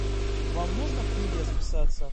Вам нужно в книге расписаться.